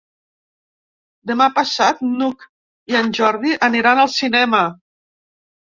Demà passat n'Hug i en Jordi aniran al cinema.